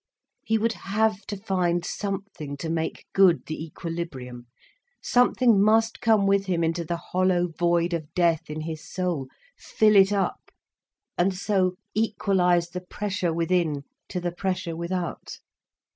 He would have to find something to make good the equilibrium. Something must come with him into the hollow void of death in his soul, fill it up, and so equalise the pressure within to the pressure without.